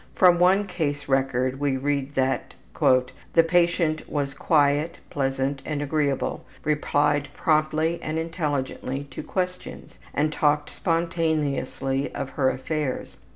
From one case record we read that ``The patient was quiet, pleasant, and agreeable, replied promptly and intelligently to questions, and talked spontaneously of her affairs.